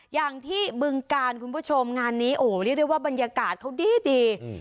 อย่างที่บึงกาลคุณผู้ชมงานนี้โอ้โหเรียกได้ว่าบรรยากาศเขาดีดี